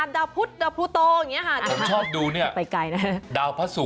ดาวอังคารดาวภุต